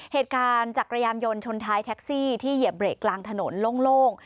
จักรยานยนต์ชนท้ายแท็กซี่ที่เหยียบเรกกลางถนนโล่ง